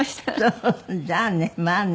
じゃあねまあね。